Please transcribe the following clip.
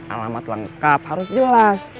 alamat lengkap harus jelas